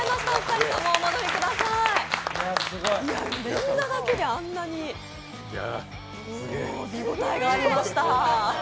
連打だけであんなに、見応えがありました。